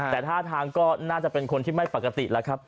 แต่ท่าทางก็น่าจะเป็นคนที่ไม่ปกติแล้วครับ